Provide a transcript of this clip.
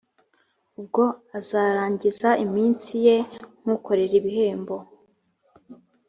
ubwo azarangiza iminsi ye nk ukorera ibihembo